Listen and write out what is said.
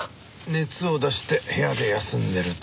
熱を出して部屋で休んでると。